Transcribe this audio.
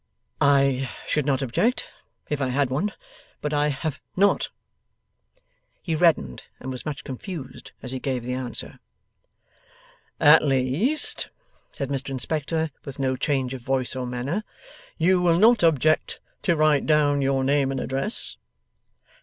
'I should not object, if I had one; but I have not.' He reddened and was much confused as he gave the answer. 'At least,' said Mr Inspector, with no change of voice or manner, 'you will not object to write down your name and address?